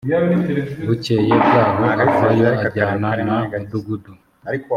bukeye bwaho avayo ajyana na mudugudu